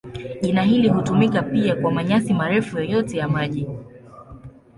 Jina hili hutumika pia kwa manyasi marefu yoyote ya maji.